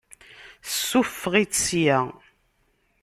Ssufeɣ-itt ssya!